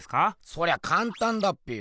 そりゃかんたんだっぺよ。